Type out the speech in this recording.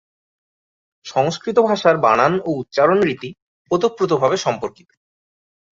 সংস্কৃত ভাষার বানান ও উচ্চারণ রীতি ওতপ্রোতভাবে সম্পর্কিত।